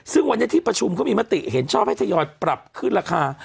ซึ่งวันนี้ที่ประชุมเขามีมติเห็นชอบให้ทยอยปรับขึ้นราคา